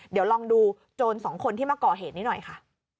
เดี๋ยวลองดูโจรสองคนที่มาก่อเหตุนี้หน่อยค่ะ